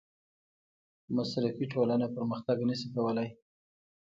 مصرفي ټولنه پرمختګ نشي کولی.